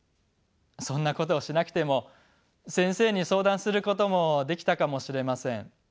そんなことをしなくても先生に相談することもできたかもしれません。